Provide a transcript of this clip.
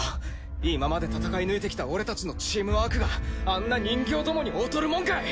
今まで戦い抜いてきた俺たちのチームワークがあんな人形どもに劣るもんかい！